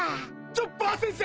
・チョッパー先生！